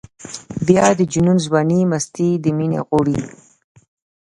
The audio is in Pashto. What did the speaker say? بیا د جنون ځواني مستي د مینې غواړي.